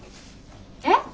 えっ？